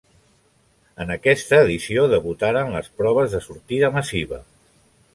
En aquesta edició debutaren les proves de sortida massiva.